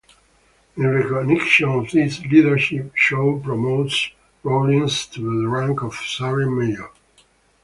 In recognition of his leadership, Shaw promotes Rawlins to the rank of Sergeant-Major.